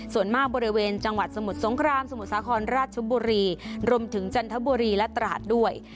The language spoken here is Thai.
ส่วนมากบริเวณจังหวัดสมุทรสงครามสมุทรสาครราชบุรีรวมถึงจันทบุรีและตราดด้วย